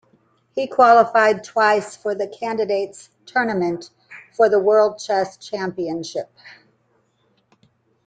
He qualified twice for the Candidates Tournament for the World Chess Championship.